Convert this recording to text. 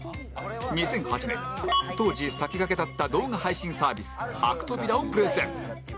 ２００８年当時先駆けだった動画配信サービスアクトビラをプレゼン